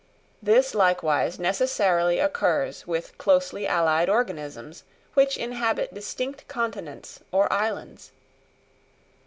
This likewise necessarily occurs with closely allied organisms, which inhabit distinct continents or islands.